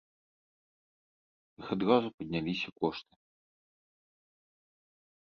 У іх адразу падняліся кошты.